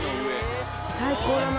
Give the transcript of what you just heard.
最高だな。